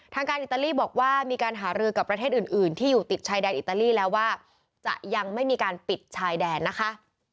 ทางการอิตาลีบอกว่ามีการหารือกับประเทศอื่นที่อยู่ติดชายแดนอิตาลีแล้วว่าจะยังไม่มีการปิดชายแดนนะคะ